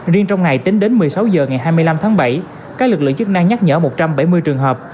riêng trong ngày tính đến một mươi sáu h ngày hai mươi năm tháng bảy các lực lượng chức năng nhắc nhở một trăm bảy mươi trường hợp